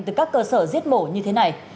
từ các cơ sở giết mổ như thế này